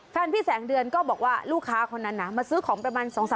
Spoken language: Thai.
แฟนพี่แสงเดือนก็บอกว่าลูกค้าคนนั้นนะมาซื้อของประมาณ